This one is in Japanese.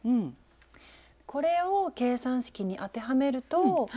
これを計算式に当てはめると。